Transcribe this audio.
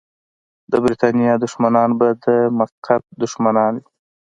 د برتانیې دښمنان به د مسقط دښمنان وي.